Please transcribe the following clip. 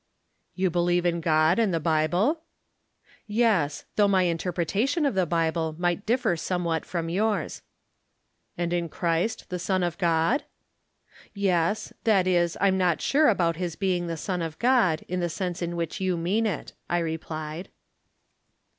" You believe in God and the Bible ?"" Yes. Though my interpretation of the Bible might differ somewhat from yours." " And in Christ the Son of God ?" From Different Standpoints. 77 " Yes. That is, I am not sure about his being the Son of God, in the sense in which you mean it," I replied.